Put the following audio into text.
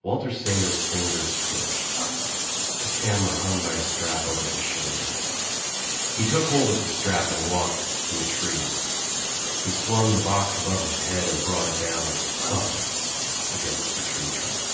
Walter Sayers' fingers twitched. The camera hung by a strap over his shoulder. He took hold of the strap and walked to a tree. He swung the box above his head and brought It down with a thump against 214 THE TRIUMPH OF THE EGG the tree trunk.